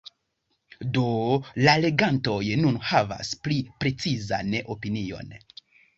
Do la legantoj nun havas pli precizan opinion.